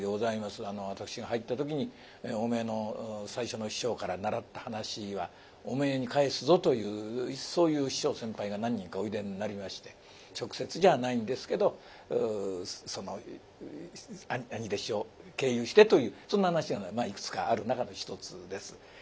私が入った時に「おめえの最初の師匠から習った噺はおめえに返すぞ」というそういう師匠先輩が何人かおいでになりまして直接じゃないんですけどその兄弟子を経由してというそんな噺がいくつかある中の一つです。